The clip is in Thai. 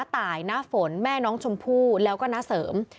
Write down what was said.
ทั้งหลวงผู้ลิ้น